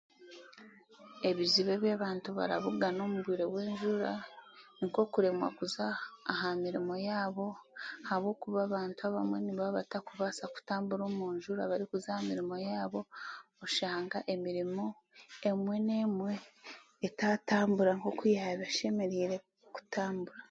Ebizibu ebi abantu barikubugana omu bwire bw'enjara nink'okuremwa kuza aha mirimo yaabo ahabwokuba abantu abamwe nibaba batakubaasa kutambura omu njura barikuza aha mirimo yaabo oshanga emirimo emwe n'emwe etaatambura nk'oku yaaba eshemereire kutambura.